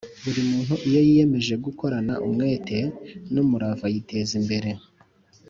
buri muntu iyo yiyemeje gukorana umwete n'umurava yiteza imbere